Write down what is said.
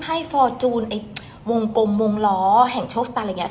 ไอ้ฟอร์จูนไอ้วงกลมวงล้อแห่งโชฟส์อะไรอย่างเงี้ย